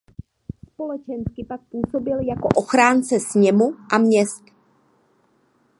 Společensky pak působil jako ochránce sněmu a měst.